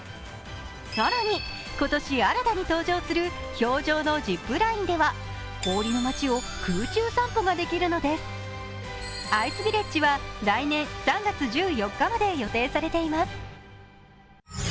更に今年新たに登場する氷上のジップラインでは氷の街を空中散歩ができるのですアイスヴィレッジは来年３月１４日まで予定されています。